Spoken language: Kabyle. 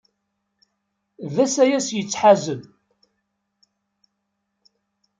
D asayes yettḥazen.